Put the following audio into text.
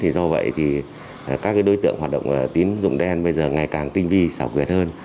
do vậy các đối tượng hoạt động tín dụng đen bây giờ ngày càng tinh vi xảo quyệt hơn